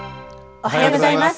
おはようございます。